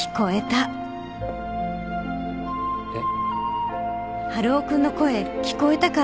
えっ？